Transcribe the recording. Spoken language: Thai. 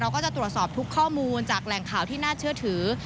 ก็จะตรวจสอบทุกข้อมูลจากแหล่งข่าวที่น่าเชื่อถือ